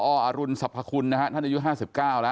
อรุณสรรพคุณนะฮะท่านอายุ๕๙แล้ว